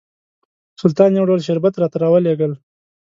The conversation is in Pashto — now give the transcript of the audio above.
سلطان یو ډول شربت راته راولېږل.